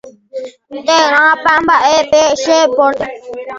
térãpa mba'e pe che pórte